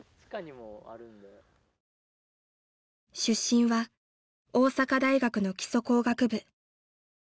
［出身は大阪大学の基礎工学部］